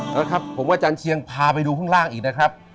นะครับผมว่าจานเชียงพาไปดูข้างล่างอีกนะครับ